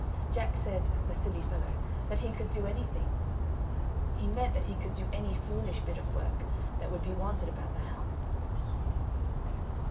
Jack said, the silly fellow, that he could do anything. (He meant that he could do any foolish bit of work, that would be wanted about the house.)